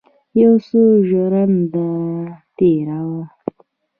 یو څه ژرنده تېره وه.